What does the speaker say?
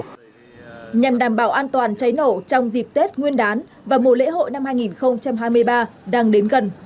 nhằm đảm bảo an toàn cháy nổ trong dịp tết nguyên đán và mùa lễ hội năm hai nghìn hai mươi ba đang đến gần